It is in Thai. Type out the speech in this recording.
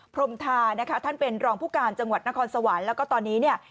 พรมทานะคะท่านเป็นรองผู้การจังหวัดนครสวรรค์แล้วก็ตอนนี้เนี่ย